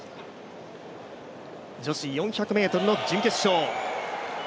女子４００ｍの準決勝。